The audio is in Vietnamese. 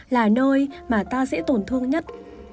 là nơi mà ta dễ tổn thương nhất